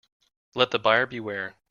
Let the buyer beware.